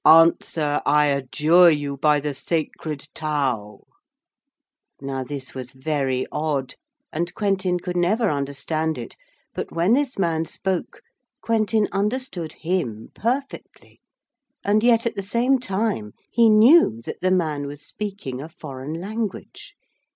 'Answer, I adjure you by the Sacred Tau!' Now this was very odd, and Quentin could never understand it, but when this man spoke Quentin understood him perfectly, and yet at the same time he knew that the man was speaking a foreign language.